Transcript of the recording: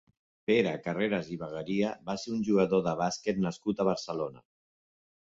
Pere Carreras i Bagaria va ser un jugador de bàsquet nascut a Barcelona.